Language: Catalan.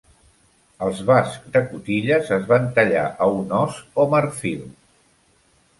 Els busks de cotilles es van tallar a un ós o marfil.